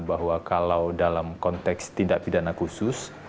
bahwa kalau dalam konteks tindak pidana khusus